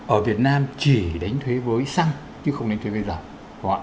ở việt nam chỉ đánh thuế với xăng chứ không đánh thuế với dầu